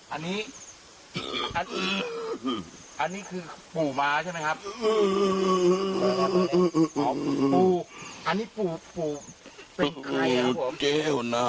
อันนี้อันนี้คือปู่ม้าใช่ไหมครับ